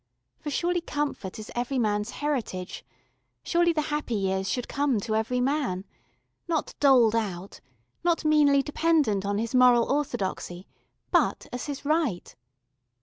For surely comfort is every man's heritage, surely the happy years should come to every man not doled out, not meanly dependent on his moral orthodoxy, but as his right.